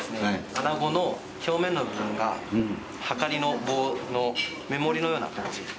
穴子の表面の部分がはかりの棒の目盛りのような形。